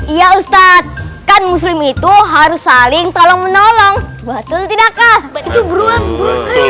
iya ustadz kan muslim itu harus saling tolong menolong betul tidakkah itu beruang